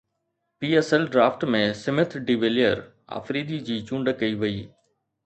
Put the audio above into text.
P S L draft ۾ Smith de Villiers Afridi جي چونڊ ڪئي وئي